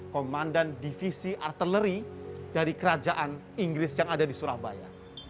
komandan divisi artileri dari kerajaan inggris yang ada di surabaya